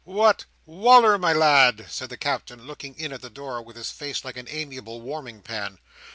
"What, Wal"r my lad!" said the Captain, looking in at the door, with his face like an amiable warming pan.